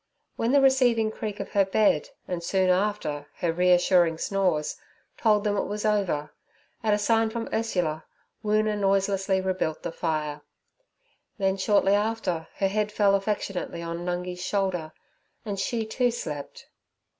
When the receiving creak of her bed, and soon after her reassuring snores, told them it was over, at a sign from Ursula, Woona noiselessly rebuilt the fire; then shortly after her head fell affectionately on Nungi's shoulder, and she, too, slept.